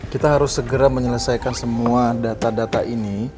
kita harus segera menyelesaikan semua data data ini